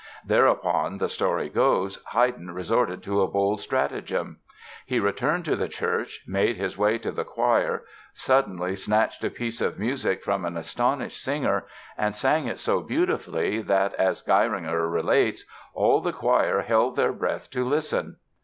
Thereupon, the story goes, Haydn resorted to a bold stratagem. He returned to the church, made his way to the choir, suddenly snatched a piece of music from an astonished singer and sang it so beautifully that, as Geiringer relates, "all the choir held their breath to listen".